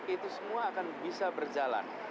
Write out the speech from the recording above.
itu semua akan bisa berjalan